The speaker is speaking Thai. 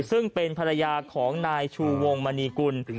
ซึ่งเป็นภรรยาของนายชูวงมณีกุล